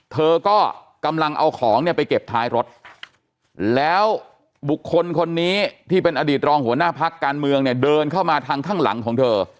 เธอก็กำลังเอาของเนี่ยไปเก็บท้ายรถแล้วบุคคลคนนี้ที่เป็นอดีตรองหัวหน้าพักการเมืองเนี่ยเดินเข้ามาทางข้างหลังของเธอ